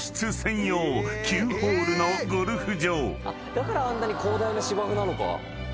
だからあんなに広大な芝生なのか。